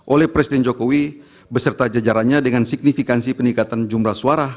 oleh presiden jokowi beserta jajarannya dengan signifikansi peningkatan jumlah suara